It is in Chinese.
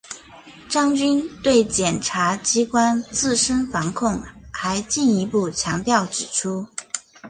张军对检察机关自身防控还进一步强调指出